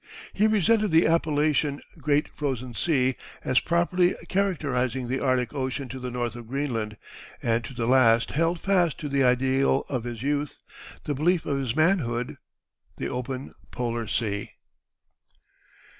He resented the appellation "Great Frozen Sea" as properly characterizing the Arctic Ocean to the north of Greenland, and to the last held fast to the ideal of his youth, the belief of his manhood, "The Open Polar Sea."